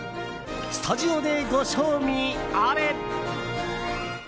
スタジオでご賞味あれ！